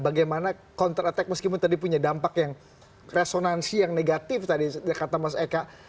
bagaimana counter attack meskipun tadi punya dampak yang resonansi yang negatif tadi kata mas eka